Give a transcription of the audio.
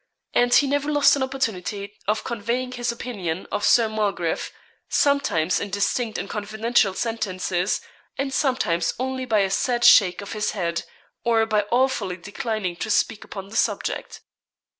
And he never lost an opportunity of conveying his opinion of Sir Mulgrave, sometimes in distinct and confidential sentences, and sometimes only by a sad shake of his head, or by awfully declining to speak upon the subject.